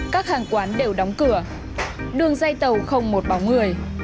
các hàng quán đều đóng cửa đường dây tàu không một bóng người